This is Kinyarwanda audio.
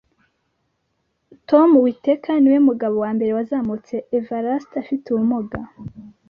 Tom Whitaker Niwe mugabo wambere wazamutse Everest afite ubumuga